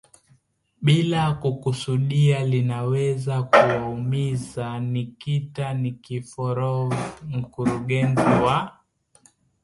bila kukusudia linaweza kuwaumiza Nikita Nikiforov mkurugenzi wa